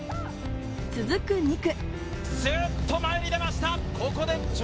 続く２区。